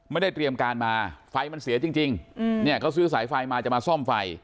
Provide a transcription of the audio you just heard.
ไม่ได้เตรียมการมาไฟมันเสียจริงเนี่ยเขาซื้อสายไฟมาจะมาซ่อมไฟ